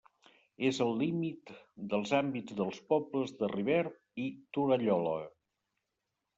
És al límit dels àmbits dels pobles de Rivert i Torallola.